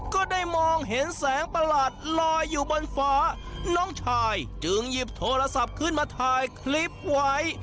ก็ได้มองเห็นแสงประหลาดลอยอยู่บนฟ้าน้องชายจึงหยิบโทรศัพท์ขึ้นมาถ่ายคลิปไว้